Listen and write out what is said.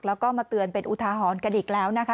แล้วก็มาเตือนเป็นอุทาหรณ์กันอีกแล้วนะคะ